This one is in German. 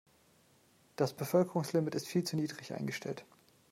Das Bevölkerungslimit ist viel zu niedrig eingestellt.